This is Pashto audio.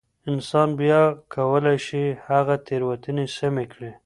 انسان بيا کولای شي هغه تېروتنې سمې کړي.